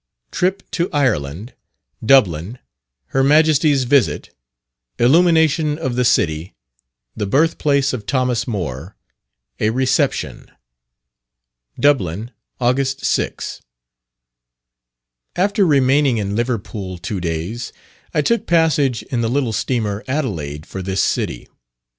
Trip to Ireland Dublin Her Majesty's Visit Illumination of the City the Birth Place of Thomas Moore a Reception. DUBLIN, August 6. After remaining in Liverpool two days, I took passage in the little steamer Adelaide for this city.